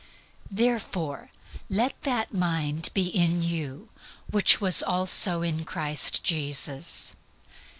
Therefore, "Let that mind be in you which was also in Christ Jesus."